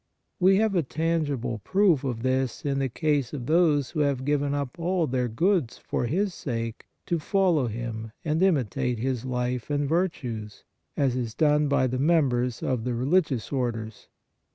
We have a tangible proof of this in the case of those who have given up all their goods for His sake to follow Him and imitate His life and virtues, as is done by the members of the religious orders.